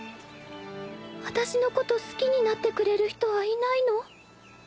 私のこと好きになってくれる人はいないの？